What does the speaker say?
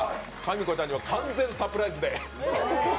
みこちゃんには完全サプライズで。